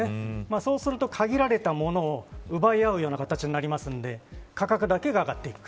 そうすると、限られたものを奪い合うような形になるので価格だけが上がっていく。